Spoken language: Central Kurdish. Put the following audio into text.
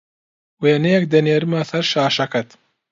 وێنەیەک دەنێرمه سەر شاشەکەت